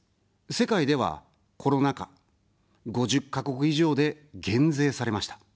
世界では、コロナ禍、５０か国以上で減税されました。